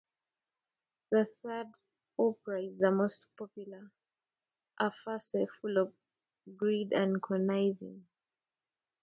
The third opera is the most popular, a farce full of greed and conniving.